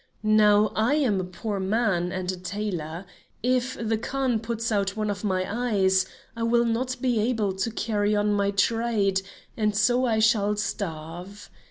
Now I am a poor man, and a tailor. If the Khan puts out one of my eyes, I will not be able to carry on my trade, and so I shall starve.